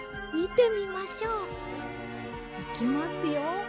いきますよ。